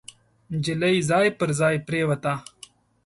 نجلۍ ځای پر ځای پريوته.